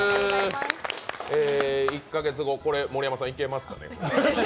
１か月後、これ、盛山さんいけますかね。